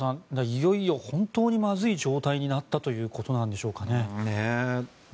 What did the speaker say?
いよいよ本当にまずい状態になったということなんでしょうかね。